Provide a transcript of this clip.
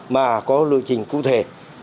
mà có lộ trình cụ thể